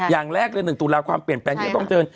อย่างแรกเลย๑ตุลาความเปลี่ยนแปลงที่จะต้องเจอ